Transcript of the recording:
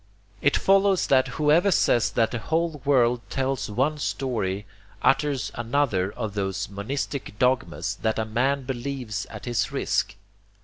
It follows that whoever says that the whole world tells one story utters another of those monistic dogmas that a man believes at his risk.